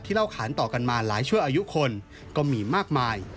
เล่าขานต่อกันมาหลายชั่วอายุคนก็มีมากมาย